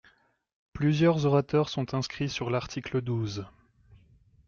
Plusieurs orateurs sont inscrits sur l’article douze.